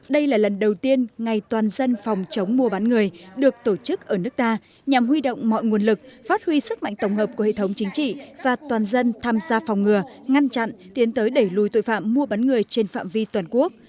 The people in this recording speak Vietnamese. đây là lần đầu tiên ngày toàn dân phòng chống mua bán người được tổ chức ở nước ta nhằm huy động mọi nguồn lực phát huy sức mạnh tổng hợp của hệ thống chính trị và toàn dân tham gia phòng ngừa ngăn chặn tiến tới đẩy lùi tội phạm mua bán người trên phạm vi toàn quốc